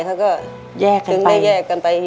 เค้าก็ได้แยกกันไปอยู่